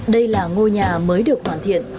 đây là ngôi nhà mới được hoàn thiện